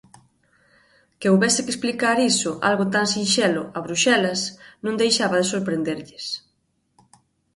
Que houbese que explicar iso, algo tan sinxelo, a Bruxelas non deixaba de sorprenderlles.